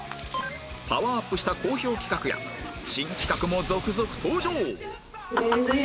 パワーアップした好評企画や新企画も続々登場